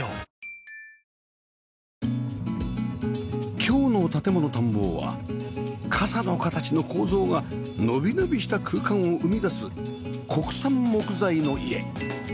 今日の『建もの探訪』は傘の形の構造がのびのびした空間を生み出す国産木材の家